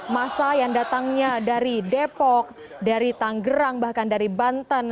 masa yang datangnya dari depok dari tanggerang bahkan dari banten